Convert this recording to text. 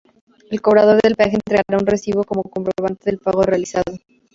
El cobrador de peaje entregará un recibo como comprobante del pago realizado.